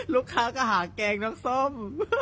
ลูกค้าก็หาแกงน้ำส้ม